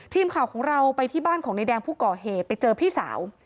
ทีมข่าวของเราไปที่บ้านของนายแดงผู้ก่อเหตุไปเจอพี่สาว